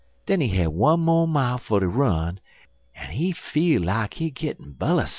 Den he had one mo' mile fer ter run, en he feel like he gittin' bellust.